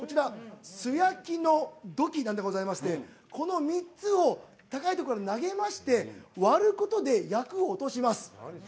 素焼きの土器でございましてこの３つを高いところから投げまして割ることで厄を落とします。